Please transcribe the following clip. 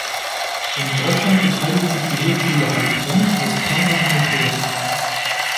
In Deutschland beteiligt sich die Hochschule Heilbronn als Partner an dem Projekt.